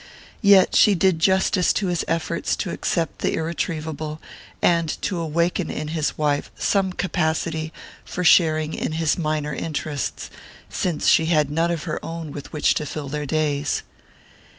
Yet she did justice to his efforts to accept the irretrievable, and to waken in his wife some capacity for sharing in his minor interests, since she had none of her own with which to fill their days.